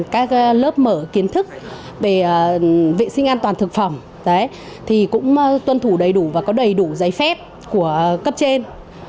các lớp mở kiến thức về vệ sinh an toàn thực phẩm thì cũng tuân thủ đầy đủ và có đầy đủ giấy phép của cấp trên